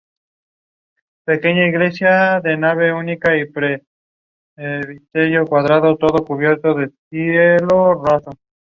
Según su composición y su origen geográfico, pueden ser conocidas bajo diversas denominaciones.